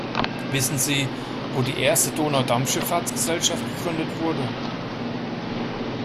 Wissen Sie, wo die erste Donaudampfschifffahrtsgesellschaft gegründet wurde?